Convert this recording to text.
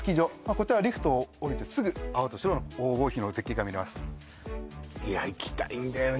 こちらはリフトを降りてすぐ青と白の黄金比の絶景が見れますいや行きたいんだよね